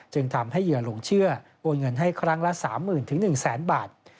จึงทำให้เหยื่อหลงเชื่อโอนเงินให้ครั้งละ๓๐๐๐๑๐๐๐บาท